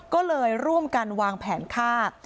ก็เลยร่วมกันวางแผนฆ่า